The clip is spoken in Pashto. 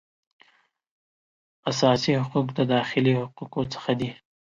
اساسي حقوق د داخلي حقوقو څخه دي